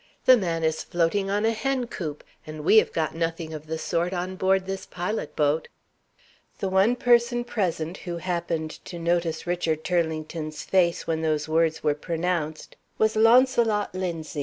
The man is floating on a hen coop, and we have got nothing of the sort on board this pilot boat.'" The one person present who happened to notice Richard Turlington's face when those words were pronounced was Launcelot Linzie.